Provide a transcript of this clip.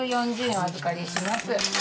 お預かりします